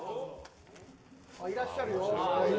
いらっしゃるよ。